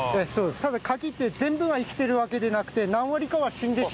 ただカキって全部が生きてるわけじゃなくて何割かは死んでしまうんです。